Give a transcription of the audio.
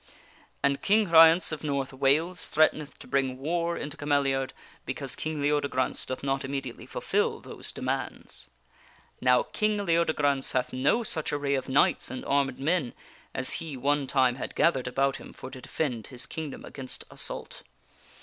And King Ryence of North Wales threateneth to bring war into Cameliard because King Leodegrance doth not immediately fulfil those demands. Now King Leodegrance hath no such array of knights and armed men as he one time had gathered about him for to defend his kingdom against assault.